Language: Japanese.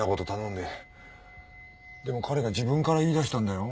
でも彼が自分から言いだしたんだよ？